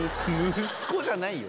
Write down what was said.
息子じゃないよ！